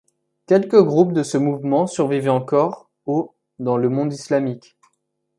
Quelques groupes de ce mouvement survivaient encore au dans le monde islamique.